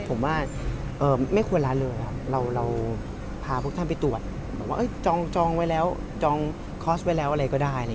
ผมว่าไม่ควรละเลยเราพาพวกท่านไปตรวจจองคอร์สไว้แล้วอะไรก็ได้